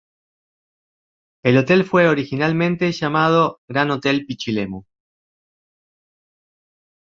El hotel fue originalmente llamado "Gran Hotel Pichilemu".